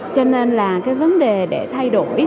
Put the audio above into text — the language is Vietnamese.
cho nên là vấn đề để thay đổi